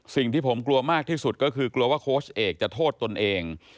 สิ่งที่ผมกลัวมากที่สุดก็คือกลัวว่าโค้ชเอกจะโทษตนเอง